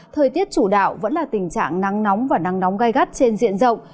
thời tiết chủ đạo vẫn là tình trạng nắng nóng và nắng nóng gai gắt trên diện rộng